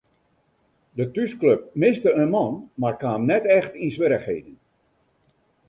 De thúsklup miste in man mar kaam net echt yn swierrichheden.